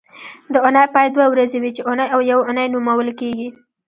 د اونۍ پای دوه ورځې وي چې اونۍ او یونۍ نومول کېږي